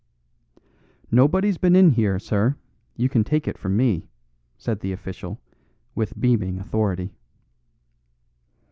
"Nobody's been in here, sir, you can take it from me," said the official, with beaming authority.